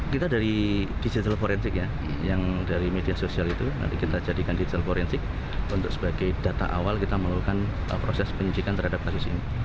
kita dari digital forensik ya yang dari media sosial itu nanti kita jadikan digital forensik untuk sebagai data awal kita melakukan proses penyidikan terhadap kasus ini